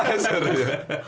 ya seru ya